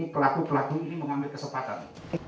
pelaku pelaku ini mengambil kesempatan